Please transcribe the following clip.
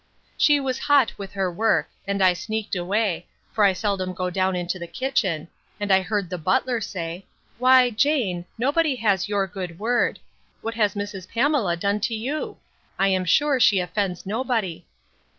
She was hot with her work; and I sneaked away; for I seldom go down into the kitchen; and I heard the butler say, Why, Jane, nobody has your good word: What has Mrs. Pamela done to you? I am sure she offends nobody.